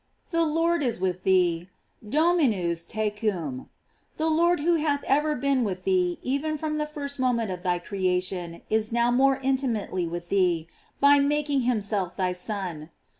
The Lord is with thee: "Dominus tecum." The Lord who hath ever been with thee even from the first moment of thy creation, is now more intimately with thee, by making himself thy Son.